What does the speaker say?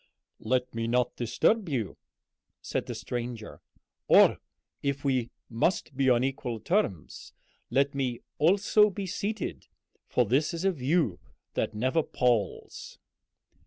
"Let me not disturb you," said the stranger; "or, if we must be on equal terms, let me also be seated, for this is a view that never palls."